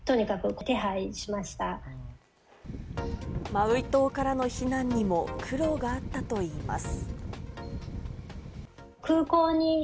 マウイ島からの避難にも苦労があったといいます。